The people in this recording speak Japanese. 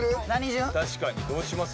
・確かにどうします？